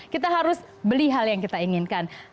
kita harus beli hal yang kita inginkan